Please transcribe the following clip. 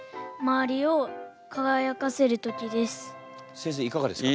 先生いかがですか？